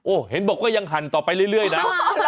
เห็นบอกว่ายังหั่นต่อไปเรื่อยนะ